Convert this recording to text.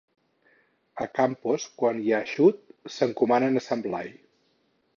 A Campos, quan hi ha eixut, s'encomanen a Sant Blai.